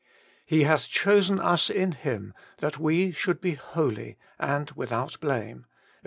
' He hath chosen us in Him, that we should be holy and without blame' (Eph.